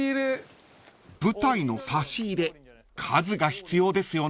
［舞台の差し入れ数が必要ですよね］